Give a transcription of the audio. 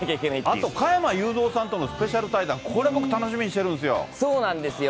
あと、加山雄三さんとのスペシャル対談、これ、僕楽しみにしてるんですよ。